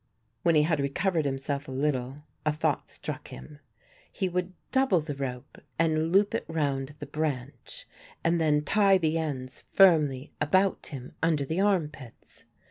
When he had recovered himself a little, a thought struck him; he would double the rope and loop it round the branch and then tie the ends firmly about him under the arm pits.